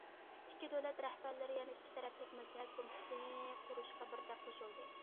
ئىككى دۆلەت رەھبەرلىرى يەنە ئىككى تەرەپلىك مەسلىھەت كومىتېتى قۇرۇشقا بىردەك قوشۇلدى.